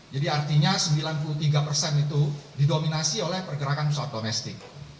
jadi artinya sembilan puluh tiga persen itu didominasi oleh pergerakan pesawat domestik